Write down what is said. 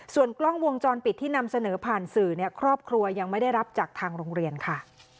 ส่วนกล้องวงจรปิดที่นำเสนอผ่านสื่อเนี่ยครอบครัวยังไม่ได้รับจากทางโรงเรียนค่ะ